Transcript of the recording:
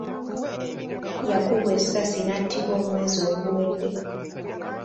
Yakubwa essasi n'attibwa omwezi oguwedde.